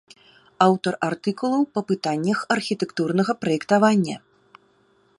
Аўтар артыкулаў па пытаннях архітэктурнага праектавання.